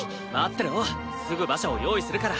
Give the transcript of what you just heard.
てろすぐ馬車を用意するから。